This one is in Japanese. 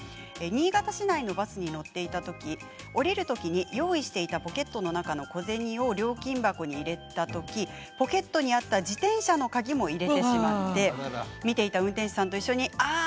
新潟市内のバスに乗っていた時降りる時に用意していたポケットの中の小銭を料金箱に入れた時ポケットにあった自転車の鍵も入れてしまって見ていた運転手さんと一緒にああ！